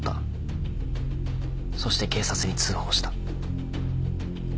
そして警察に通報した。